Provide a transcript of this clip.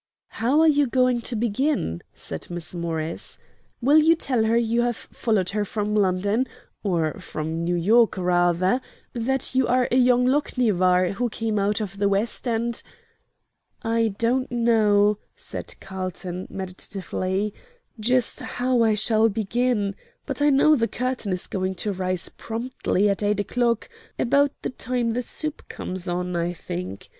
"How are you going to begin?" said Miss Morris. "Will you tell her you have followed her from London or from New York, rather that you are young Lochinvar, who came out of the West, and " "I don't know," said Carlton, meditatively, "just how I shall begin; but I know the curtain is going to rise promptly at eight o'clock about the time the soup comes on, I think.